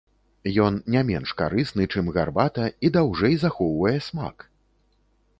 Ён не менш карысны, чым гарбата, і даўжэй захоўвае смак!